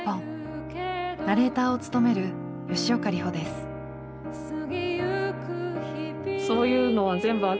ナレーターを務める吉岡里帆です。